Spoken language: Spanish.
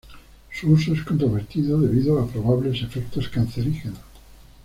Su uso es controvertido debido a probables efectos cancerígenos.